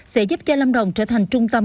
sẽ giúp cho lâm đồng trở thành trung tâm